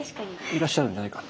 いらっしゃるんじゃないか。